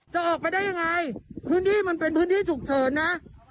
จะออกไปได้ยังไงพื้นที่มันเป็นพื้นที่ฉุกเฉินนะ